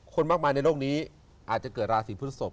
คนมากมายในโลกนี้อาจจะเกิดราศีพฤศพ